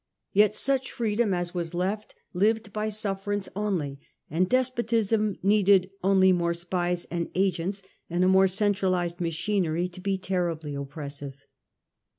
Yet such freedom as was left lived by sufferance only, and des potism needed only more spies and agents and a more centralized machinery to be terribly oppressive.